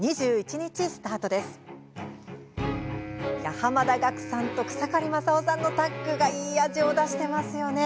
濱田岳さんと草刈正雄さんのタッグがいい味を出していますよね。